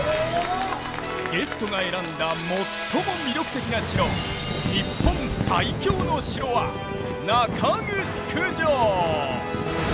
ゲストが選んだ最も魅力的な城「日本最強の城」は中城城！